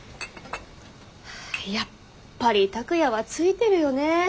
やっぱり拓哉はついてるよね。